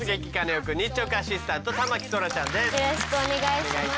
よろしくお願いします。